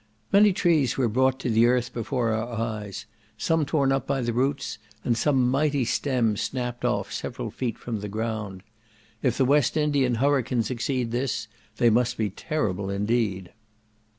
Many trees were brought to the earth before our eyes; some torn up by the roots, and some mighty stems snapt off several feet from the ground. If the West Indian hurricanes exceed this, they must be terrible indeed.